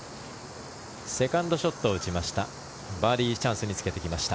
セカンドショットを打ちました。